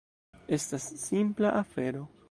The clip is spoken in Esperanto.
Estas simpla afero.